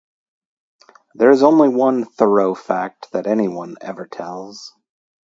There is only one Thoreau fact that anyone ever tells.